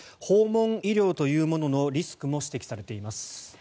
訪問医療というもののリスクも指摘されています。